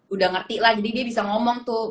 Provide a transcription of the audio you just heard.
udah ngerti lah jadi dia bisa ngomong tuh